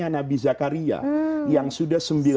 nabi zakaria yang sudah